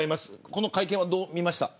この会見どう見ました。